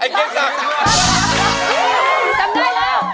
เกี๊ยงศักดิ์